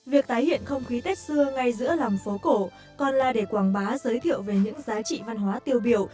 việc tái hiện không khí tết xưa ngay giữa lòng phố cổ còn là để quảng bá giới thiệu về những giá trị văn hóa tiêu biểu